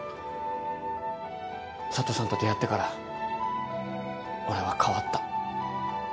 佐都さんと出会ってから俺は変わった。